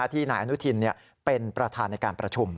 ที่นายอนุทินเป็นประธานในการประชุม